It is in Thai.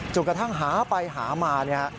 จนกระทั่งหาไปหามา